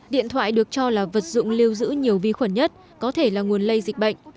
điện thoại được cho là vật dụng lưu giữ nhiều vi khuẩn nhất có thể là nguồn lây dịch bệnh